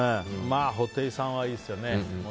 布袋さんはいいですよね。